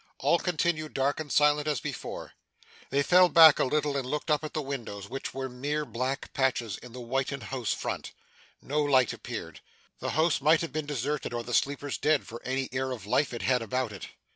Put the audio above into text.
All continued dark and silent as before. They fell back a little, and looked up at the windows, which were mere black patches in the whitened house front. No light appeared. The house might have been deserted, or the sleepers dead, for any air of life it had about it.